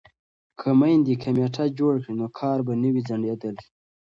که میندې کمیټه جوړه کړي نو کار به نه وي ځنډیدلی.